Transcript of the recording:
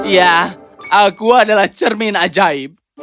ya aku adalah cermin ajaib